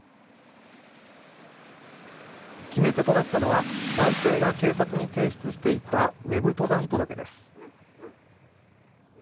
決め手となったのは男性が警察に提出していたＷＥＢ登山届です。